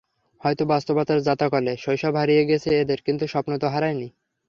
হয়তো বাস্তবতার জাঁতাকলে শৈশব হারিয়ে গেছে এদের, কিন্তু স্বপ্ন তো হারায়নি।